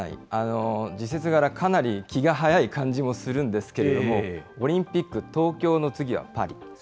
時節柄、かなり気が早い感じもするんですけど、オリンピック、東京の次はパリ。